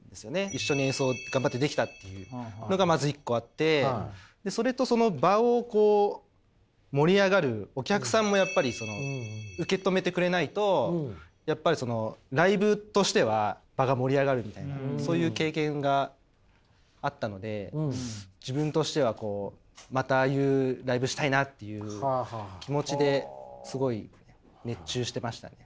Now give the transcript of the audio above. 一緒に演奏頑張ってできたっていうのがまず一個あってそれとその場をこう盛り上がるお客さんもやっぱり受け止めてくれないとやっぱりそのライブとしては場が盛り上がるみたいなそういう経験があったので自分としてはこうまたああいうライブしたいなっていう気持ちですごい熱中してましたね。